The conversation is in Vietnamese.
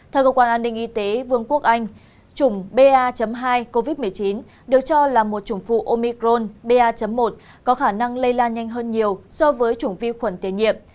theo cơ quan an ninh y tế vương quốc anh chủng ba hai covid một mươi chín được cho là một chủng phụ omicron ba một có khả năng lây lan nhanh hơn nhiều so với chủng vi khuẩn tiền nhiệm